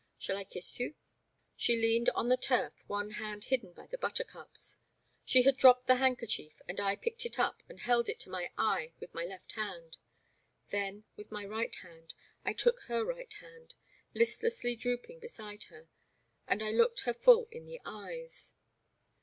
Shall I kiss you ?" She leaned on the turf, one hand hidden by the buttercups. She had dropped the handkerchief, and I picked it up and held it to my eye with my left hand.' Then, with my right hand, I took her right hand, listlessly drooping beside her, and I looked her full in the eyes.